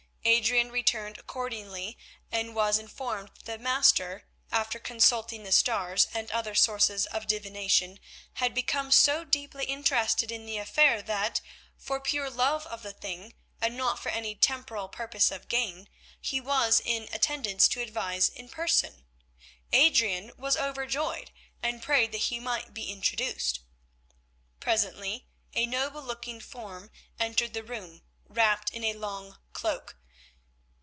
Adrian returned accordingly, and was informed that the Master, after consulting the stars and other sources of divination, had become so deeply interested in the affair that, for pure love of the thing and not for any temporal purpose of gain, he was in attendance to advise in person. Adrian was overjoyed, and prayed that he might be introduced. Presently a noble looking form entered the room, wrapped in a long cloak.